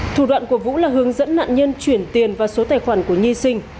thủ đoạn của vũ là hướng dẫn nạn nhân chuyển tiền vào số tài khoản của nhi sinh